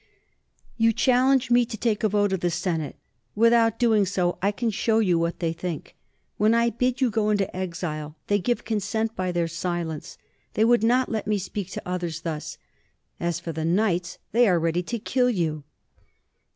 _You challenge me to take a vote of the Senate. Without doing so, I can show you what they think. When I bid you go into exile, they give consent by their silence. They would not let me speak to others thus. As for the knights, they are ready to kill you.